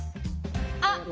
あっ！